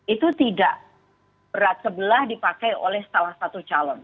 itu tidak berat sebelah dipakai oleh salah satu calon